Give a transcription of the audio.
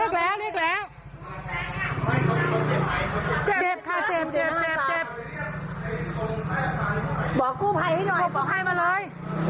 บอกคุณไภให้หน่อยบอกคุณไภมาเลย